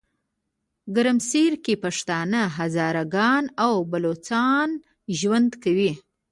ګرمسیرکې پښتانه، هزاره ګان او بلوچان ژوند کوي.